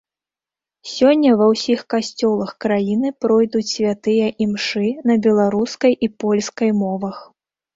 Сёння ва ўсіх касцёлах краіны пройдуць святыя імшы на беларускай і польскай мовах.